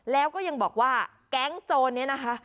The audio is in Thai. แล้วก็ยังบอกว่าแก๊งโจรนี้นะคะ